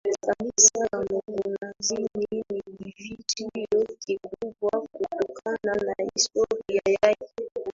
Kanisa la mkunazini ni kivutio kikubwa kutokana na historia yake